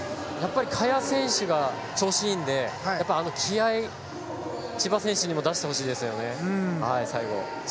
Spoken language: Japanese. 萱選手が調子がいいので気合、千葉選手にも出してほしいですね、最後。